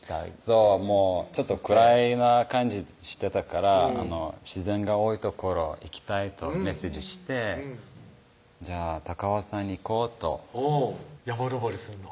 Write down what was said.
そうちょっとくらいな感じしてたから「自然が多い所行きたい」とメッセージして「じゃあ高尾山に行こう」と山登りすんの？